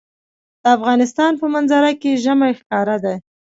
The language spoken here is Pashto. د افغانستان په منظره کې ژمی ښکاره ده.